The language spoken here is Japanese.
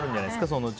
そのうち。